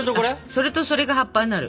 それとそれが葉っぱになる。